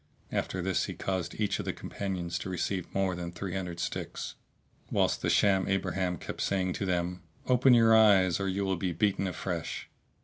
After this he caused each of the companions to receive more than three hundred sticks, whilst the sham abraham kept saying to them "Open your eyes or you will be beaten afresh."